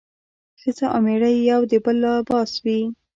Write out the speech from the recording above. ښځه او مېړه د يو بل لباس وي